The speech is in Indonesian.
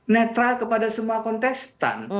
netral kepada semua kontestan